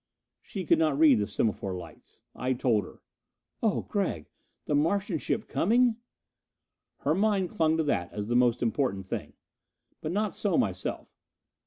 She could not read the semaphore lights. I told her. "Oh Gregg, the Martian ship coming!" Her mind clung to that as the most important thing. But not so myself.